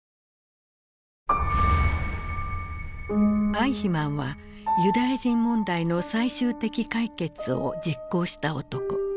アイヒマンは「ユダヤ人問題の最終的解決」を実行した男。